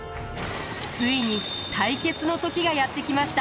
ついに対決の時がやって来ました。